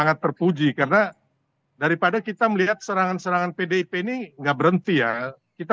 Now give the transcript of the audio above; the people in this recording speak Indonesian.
sangat terpuji karena daripada kita melihat serangan serangan pdip ini enggak berhenti ya kita